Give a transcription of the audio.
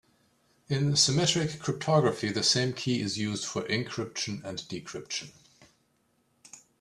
In symmetric cryptography the same key is used for encryption and decryption.